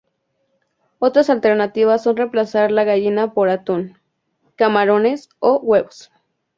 Otras alternativas son remplazar la gallina por atún, camarones o huevos.